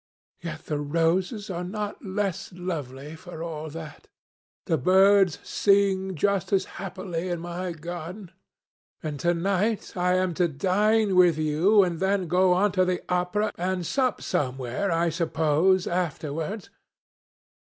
Yet the roses are not less lovely for all that. The birds sing just as happily in my garden. And to night I am to dine with you, and then go on to the opera, and sup somewhere, I suppose, afterwards.